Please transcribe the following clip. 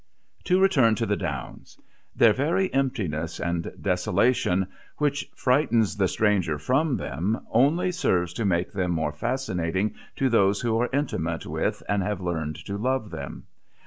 To return to the downs. Their very emptiness and desolation, which frightens the stranger from them, only serves to make them more fascinating to those who are intimate with and have learned to love them.